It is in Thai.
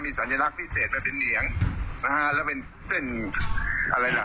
สัญลักษณ์พิเศษมาเป็นเหลียงนะฮะแล้วเป็นเส้นอะไรล่ะ